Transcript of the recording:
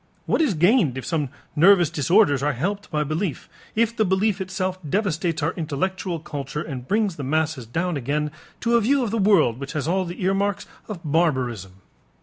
What is gained if some nervous disorders are helped by belief, if the belief itself devastates our intellectual culture and brings the masses down again to a view of the world which has all the earmarks of barbarism?